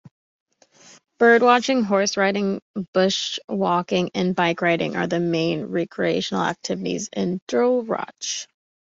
Birdwatching, horse-riding, bush-walking and bike-riding are the main recreational activities in Dularcha.